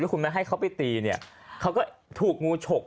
คุณไม่ให้เขาไปตีเนี่ยเขาก็ถูกงูฉก